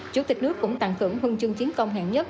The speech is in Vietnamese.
chủ tịch nước cũng tặng thưởng huân chương chiến công hạng nhất